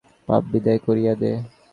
পাপ বিদায় করিয়া দে।